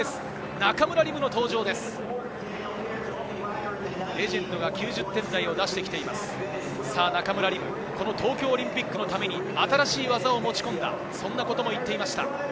中村輪夢、東京オリンピックのために新しい技を持ち込んだと言っていました。